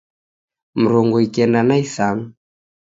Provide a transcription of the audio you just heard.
Mrongo ikenda na isanu